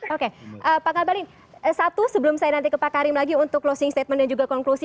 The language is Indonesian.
oke pak ngabalin satu sebelum saya nanti ke pak karim lagi untuk closing statement dan juga konklusi